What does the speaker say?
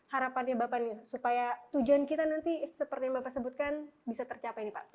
harapannya bapak nih supaya tujuan kita nanti seperti yang bapak sebutkan bisa tercapai nih pak